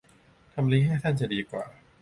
ทำลิงก์ให้สั้นจะดีกว่า